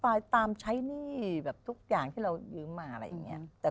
ตามใช้หนี้แบบทุกอย่างที่เรายืมมาอะไรอย่างนี้